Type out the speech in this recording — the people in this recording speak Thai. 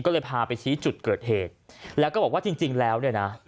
ก็เลยพาไปชี้จุดเกิดเหตุแล้วก็บอกว่าจริงจริงแล้วเนี่ยนะ